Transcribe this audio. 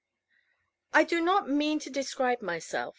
I do not mean to describe myself.